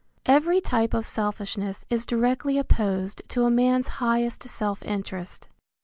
Every type of selfishness is directly opposed to a man's highest self interest.